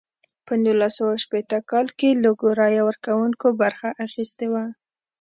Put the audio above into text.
په نولس سوه شپیته کال کې لږو رایه ورکوونکو برخه اخیستې وه.